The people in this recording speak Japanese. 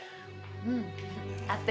うん。